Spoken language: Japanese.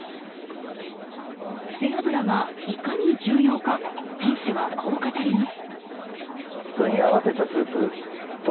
背脂がいかに重要か店主はこう語ります。